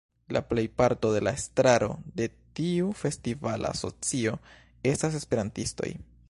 La plejparto de la estraro de tiu festivala asocio estas Esperantistoj.